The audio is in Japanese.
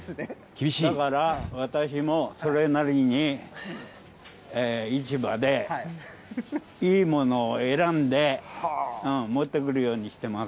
だから私もそれなりに市場でいいものを選んで、持ってくるようにしてます。